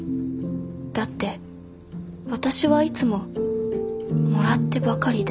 だって私はいつももらってばかりで。